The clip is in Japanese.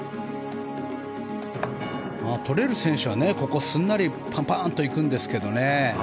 取れる選手はすんなりパンパンと行くんですがね。